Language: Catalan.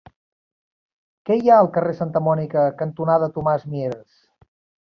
Què hi ha al carrer Santa Mònica cantonada Tomàs Mieres?